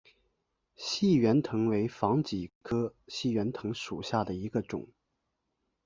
细圆藤为防己科细圆藤属下的一个种。